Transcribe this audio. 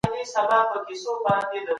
که انلاین ټولګي منظم وي، وخت نه ضایع کېږي.